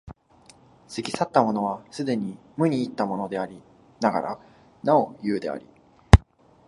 過ぎ去ったものは既に無に入ったものでありながらなお有であり、